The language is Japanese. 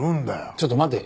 ちょっと待て。